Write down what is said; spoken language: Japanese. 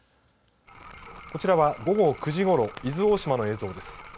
こちらは、午後９時ごろ伊豆大島の映像です。